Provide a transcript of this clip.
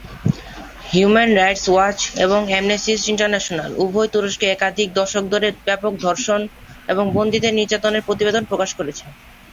Human Rights Watch এবং Amnesty International উভয়ই তুরস্কে একাধিক দশক ধরে ব্যাপক ধর্ষণ এবং বন্দীদের নির্যাতনের প্রতিবেদন প্রকাশ করেছে।